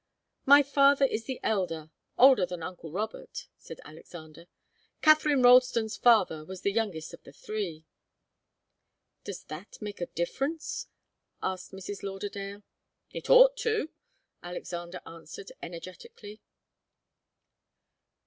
"My father is the elder older than uncle Robert," said Alexander. "Katharine Ralston's father was the youngest of the three." "Does that make a difference?" asked Mrs. Lauderdale. "It ought to!" Alexander answered, energetically.